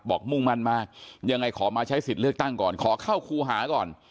มุ่งมั่นมากยังไงขอมาใช้สิทธิ์เลือกตั้งก่อนขอเข้าครูหาก่อน